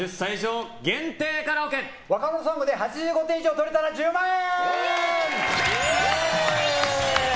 若者ソングで８５点以上出せたら１０万円！